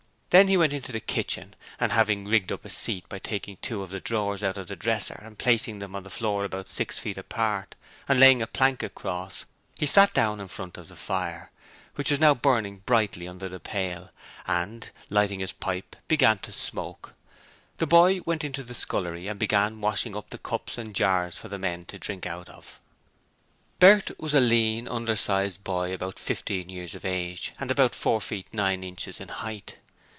Then he went into the kitchen and having rigged up a seat by taking two of the drawers out of the dresser and placing them on the floor about six feet apart and laying a plank across, he sat down in front of the fire, which was now burning brightly under the pail, and, lighting his pipe, began to smoke. The boy went into the scullery and began washing up the cups and jars for the men to drink out of. Bert was a lean, undersized boy about fifteen years of age and about four feet nine inches in height.